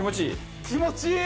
気持ちいい？